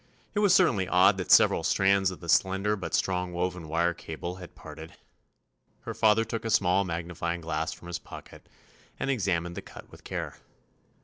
It was certainly odd that several strands of the slender but strong woven wire cable had parted. Her father took a small magnifying glass from his pocket and examined the cut with care.